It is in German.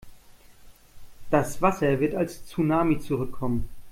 Das Wasser wird als Tsunami zurückkommen.